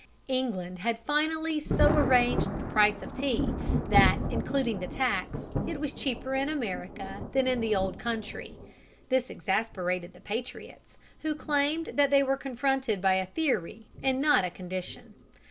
England had finally so arranged the price of tea that, including the tax, it was cheaper in America than in the old country. This exasperated the patriots, who claimed that they were confronted by a theory and not a condition.